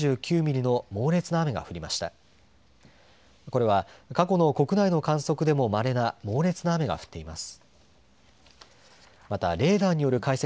これは過去の国内の観測でもまれな猛烈な雨が降っています。